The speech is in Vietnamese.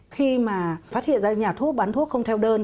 khi mà phát hiện ra nhà thuốc bán thuốc không theo đơn